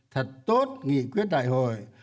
thật tốt nghị quyết đại hội